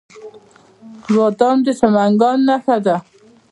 بادام د سمنګان نښه ده.